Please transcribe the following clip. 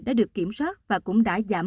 đã được kiểm soát và cũng đã giảm